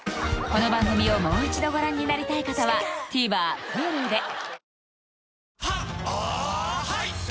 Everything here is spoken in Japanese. この番組をもう一度ご覧になりたい方はＴＶｅｒＨｕｌｕで